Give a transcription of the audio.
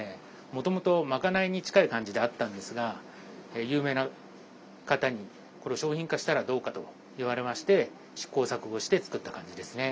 もともと賄いに近い感じであったんですが有名な方にこれを商品化したらどうかと言われまして試行錯誤して作った感じですね。